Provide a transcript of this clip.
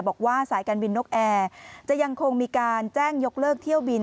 บอกว่าสายการบินนกแอร์จะยังคงมีการแจ้งยกเลิกเที่ยวบิน